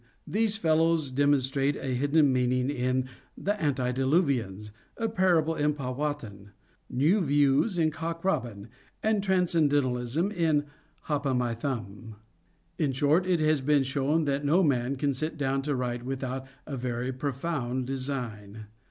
These fellows demonstrate a hidden meaning in "The Antediluvians," a parable in Powhatan, "new views in Cock Robin," and transcendentalism in "Hop O' My Thumb." In short, it has been shown that no man can sit down to write without a very profound design.